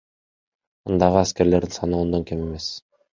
Андагы аскерлердин саны ондон кем эмес.